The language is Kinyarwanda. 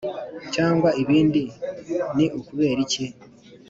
cyangwa ibindi ni ukubera iki?